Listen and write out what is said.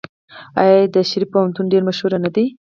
آیا د شریف پوهنتون ډیر مشهور نه دی؟